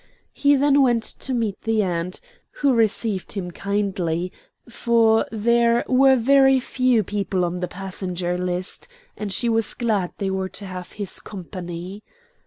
He then went to meet the aunt, who received him kindly, for there were very few people on the passenger list, and she was glad they were to have his company.